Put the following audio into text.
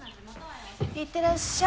行ってらっしゃい。